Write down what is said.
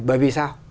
bởi vì sao